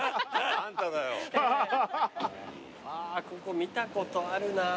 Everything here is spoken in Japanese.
あここ見たことあるな。